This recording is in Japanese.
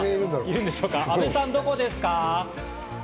阿部さん、どこですか？